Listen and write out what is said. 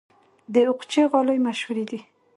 د اقچې غالۍ مشهورې دي